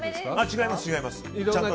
違います。